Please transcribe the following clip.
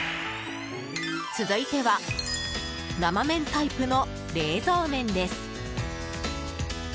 続いては生麺タイプの冷蔵麺です。